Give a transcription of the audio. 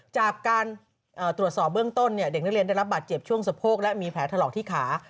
จากการตรวจสอบเบื้องต้นเด็กนักเรียนได้รับบาดเจ็บช่วงสะโพกและมีแผลถลอกที่ขา